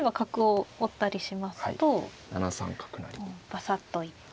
バサッと行って。